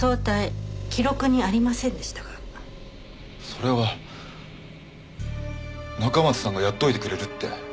それは中松さんがやっておいてくれるって。